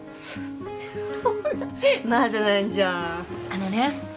あのね。